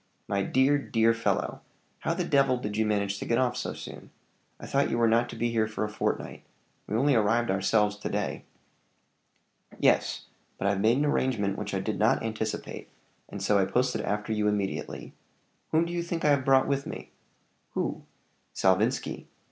"My dear, dear fellow, how the devil did you manage to get off so soon? I thought you were not to be here for a fortnight: we only arrived ourselves to day." "Yes but I've made an arrangement which I did not anticipate; and so I posted after you immediately. Whom do you think I have brought with me?" "Who?" "Salvinski."